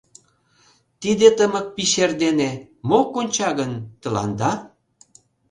Тиде тымык пич эрдене Мо конча гын тыланда?